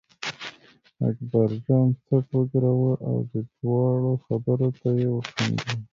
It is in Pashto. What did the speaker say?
اکبرجان څټ و ګراوه او د دواړو خبرو ته یې وخندل.